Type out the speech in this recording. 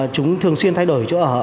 chúng thường xuyên thay đổi chỗ ở